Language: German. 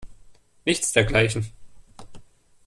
Nichts dergleichen.